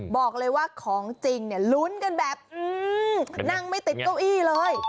บอกเลยว่าของจริงเนี่ยลุ้นกันแบบนั่งไม่ติดเก้าอี้เลย